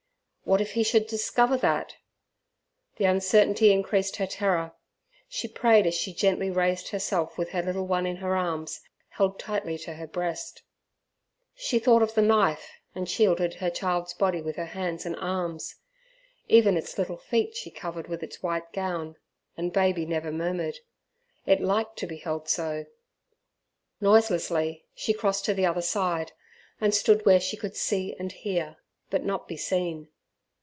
What if he should discover that! The uncertainty increased her terror. She prayed as she gently raised herself with her little one in her arms, held tightly to her breast. She thought of the knife, and shielded her child's body with her hands and arms. Even its little feet she covered with its white gown, and baby never murmured it liked to be held so. Noiselessly she crossed to the other side, and stood where she could see and hear, but not be seen.